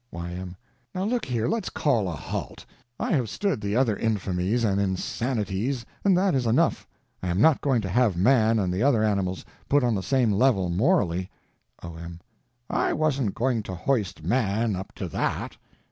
Y.M. Now look here—let's call a halt. I have stood the other infamies and insanities and that is enough; I am not going to have man and the other animals put on the same level morally. O.M. I wasn't going to hoist man up to that.